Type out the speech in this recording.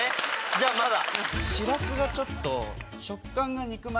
⁉じゃあまだ。